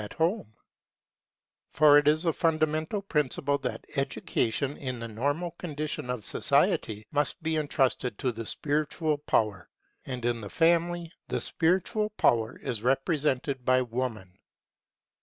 They only can guide the development of character] For it is a fundamental principle that education, in the normal condition of society, must be entrusted to the spiritual power; and in the family the spiritual power is represented by Woman.